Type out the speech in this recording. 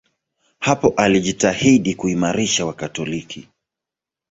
Hapo alijitahidi kuimarisha Wakatoliki.